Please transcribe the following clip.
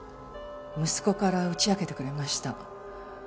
息子から打ち明けてくれました。